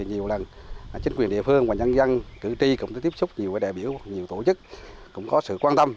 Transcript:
nhiều lần chính quyền địa phương và nhân dân cử tri cũng tiếp xúc nhiều với đại biểu nhiều tổ chức cũng có sự quan tâm